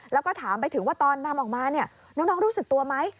แล้วก็ถามไปถึงว่าตอนนำออกมาเนี่ยน้องรู้สึกตัวไหม